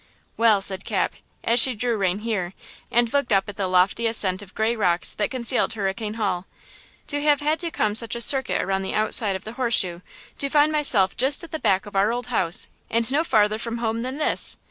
"Well," said Cap, as she drew rein here, and looked up at the lofty ascent of gray rocks that concealed Hurricane Hall, "to have had to come such a circuit around the outside of the 'Horse Shoe,' to find myself just at the back of our old house, and no farther from home than this!